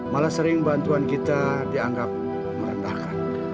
malah sering bantuan kita dianggap merendahkan